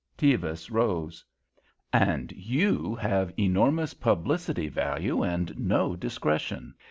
Tevis rose. "And you have enormous publicity value and no discretion.